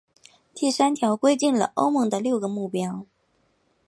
第三条则规定了欧盟的六个目标。